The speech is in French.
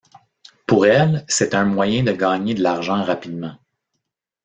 Pour elle, c'est un moyen de gagner de l'argent rapidement.